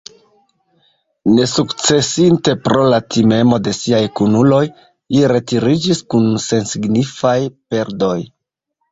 Nesukcesinte pro la timemo de siaj kunuloj, li retiriĝis kun sensignifaj perdoj.